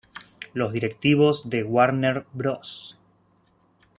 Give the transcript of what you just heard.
Los directivos de Warner Bros.